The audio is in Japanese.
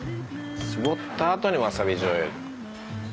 搾ったあとにわさびじょうゆ。